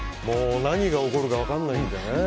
何が起こるか分からないのでね